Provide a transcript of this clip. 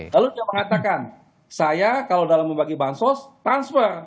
lalu dia mengatakan saya kalau dalam membagi bansos transfer